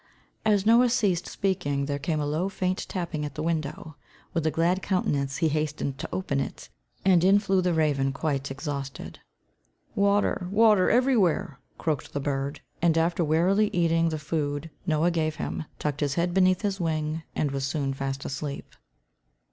As Noah ceased speaking, there came a low, faint tapping at the window. With a glad countenance he hastened to open it, and in flew the raven, quite exhausted. "Water, water, everywhere," croaked the bird, and after wearily eating the food Noah gave him, tucked his head beneath his wing and was soon fast asleep.